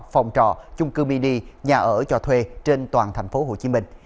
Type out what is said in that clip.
phòng trọ chung cư mini nhà ở cho thuê trên toàn thành phố hồ chí minh